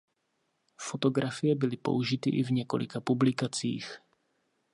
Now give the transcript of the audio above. Fotografie byly použity i v několika publikacích.